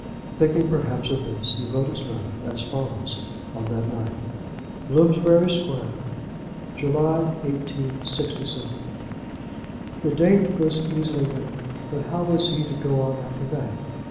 Thinking, perhaps, of this he wrote his letter as follows on that night. Bloomsbury Square, July, 186 . The date was easily written, but how was he to go on after that?